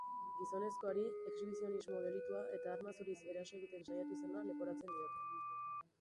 Gizonezkoari exhibizionismo delitua eta arma zuriz eraso egiten saiatu izana leporatzen diote.